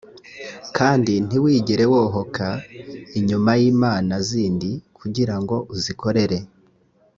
kandi ntiwigere wohoka inyuma y’imana zindi kugira ngo uzikorere.